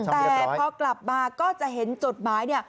แต่พอกลับมาก็จะเห็นจุดหมาย